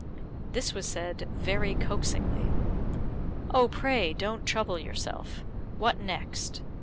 This was said very coaxingly. "Oh, pray don't trouble yourself. What next?"